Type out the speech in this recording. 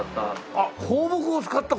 あっ香木を使った。